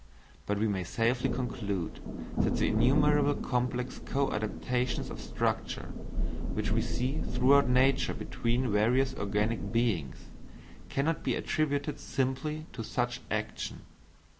But we may safely conclude that the innumerable complex co adaptations of structure, which we see throughout nature between various organic beings, cannot be attributed simply to such action.